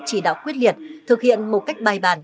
chỉ đạo quyết liệt thực hiện một cách bài bàn